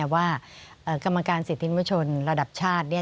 ว่ากรรมการสิทธิมชนระดับชาติ